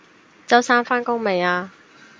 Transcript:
周生返工未啊？